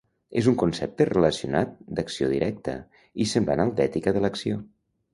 És un concepte relacionat d'acció directa i semblant al d'ètica de l'acció.